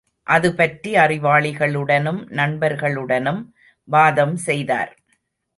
அது பற்றி அறிவாளிகளுடனும் நண்பர்களுடனும் வாதம் செய்தார்.